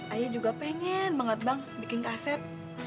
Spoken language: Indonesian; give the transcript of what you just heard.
ayah juga pengen banget bang bikin kaset